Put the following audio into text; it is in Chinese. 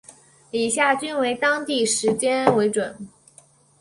以下均为当地时间为准。